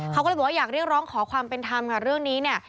เขาก็เลยบอกว่าอยากเรียกร้องขอความเป็นธรรมค่ะเรื่องนี้เนี่ย